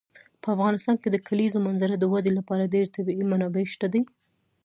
په افغانستان کې د کلیزو منظره د ودې لپاره ډېرې طبیعي منابع شته دي.